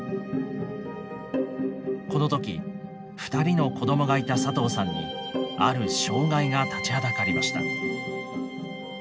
この時２人の子どもがいた佐藤さんにある障害が立ちはだかりました。